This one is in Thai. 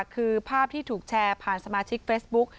คือภาพที่ถูกแชร์ผ่านสมาชิกเฟซบุ๊ค